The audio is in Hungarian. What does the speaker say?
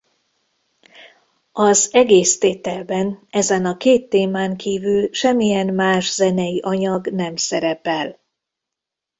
Az egész tételben ezen a két témán kívül semmilyen más zenei anyag nem szerepel.